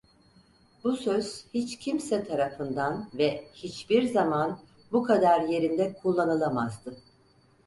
Bu söz, hiç kimse tarafından ve hiçbir zaman bu kadar yerinde kullanılamazdı.